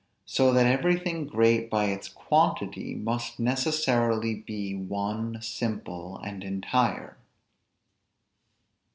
So that everything great by its quantity must necessarily be one, simple and entire.